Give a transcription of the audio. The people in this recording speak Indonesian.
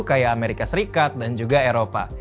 kayak amerika serikat dan juga eropa